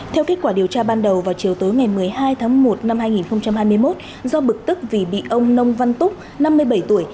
theo kết quả điều tra ban đầu vào chiều tối ngày một mươi hai tháng một năm hai nghìn hai mươi một do bực tức vì bị ông nông văn túc năm mươi bảy tuổi